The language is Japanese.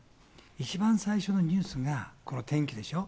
一番最初のニュースがこの天気でしょ。